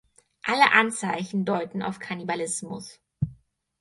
Alle Anzeichen deuten auf Kannibalismus.